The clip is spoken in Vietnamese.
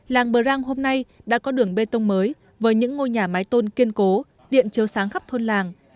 làng prang hôm nay đã có đường bê tông mới với những ngôi nhà mái tôn kiên cố điện chấu sáng khắp thôn làng